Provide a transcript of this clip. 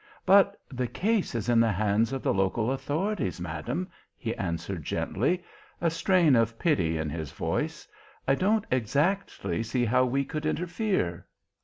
"But the case is in the hands of the local authorities, Madam," he answered gently, a strain of pity in his voice. "I don't exactly see how we could interfere."